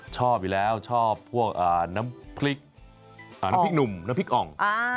ชอบอยู่แล้วชอบพวกน้ำพริกอาหารพริกหนุ่มน้ำพริกอ่อง